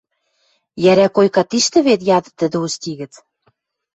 — Йӓрӓ койка тиштӹ вет? — яды тӹдӹ Усти гӹц.